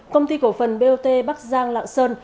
công ty cổ phần bot bắc giang lạng sơn